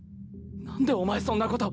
何でお前そんなこと。